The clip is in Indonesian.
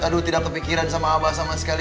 aduh tidak kepikiran sama abah sama sekali